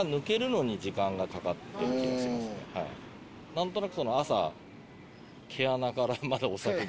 何となく朝。